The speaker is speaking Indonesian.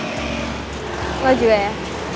lo juga ya